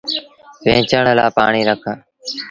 ويچڻ لآ پآڻيٚ رک۔